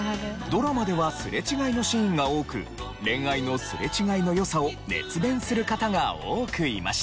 ドラマではすれ違いのシーンが多く恋愛のすれ違いの良さを熱弁する方が多くいました。